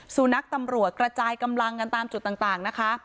สุนัขตำรวจกระจายกำลังกันตามจุดต่างนะคะ